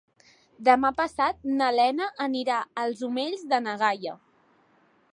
Demà passat na Lena anirà als Omells de na Gaia.